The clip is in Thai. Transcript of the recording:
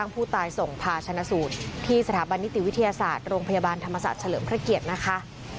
ผู้ตายส่งพาชนะสูตรที่สถาบันนิติวิทยาศาสตร์โรงพยาบาลธรรมศาสตร์เฉลิมพระเกียรตินะคะ